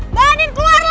mbak andin keluarlah